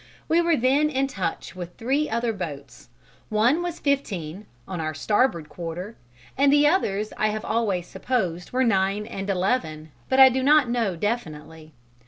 We were then in touch with three other boats: one was 15, on our starboard quarter, and the others I have always supposed were 9 and 11, but I do not know definitely.